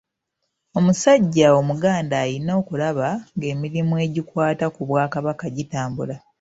Omusajja omuganda alina okulaba ng'emirimu egikwata ku Bwakabaka gitambula.